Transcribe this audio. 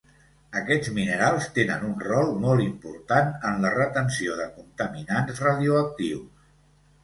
Aquests minerals tenen un rol molt important en la retenció de contaminants radioactius.